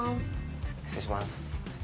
失礼します。